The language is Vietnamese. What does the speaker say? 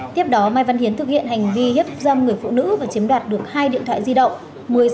tiếp đó mai văn hiến thực hiện hành vi hiếp dâm người phụ nữ và chiếm đoạt được hai điện thoại di động